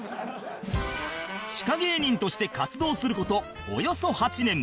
地下芸人として活動する事およそ８年